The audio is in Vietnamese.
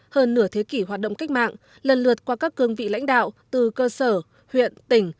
hơn nửa thế kỷ hoạt động cách mạng lần lượt qua các cương vị lãnh đạo từ cơ sở huyện tỉnh